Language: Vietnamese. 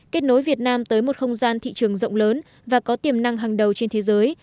kết nối việt nam tới một không gian thị trường rộng lớn và có tiềm năng hàng đầu trên thế giới